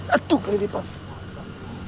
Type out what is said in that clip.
aduh keren ini pak